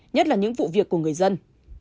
nhất là những vụ việc của người dân